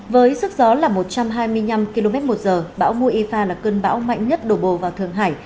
với sức gió là một trăm hai mươi năm km một giờ bão moifa là cơn bão mạnh nhất đổ bộ vào thường hải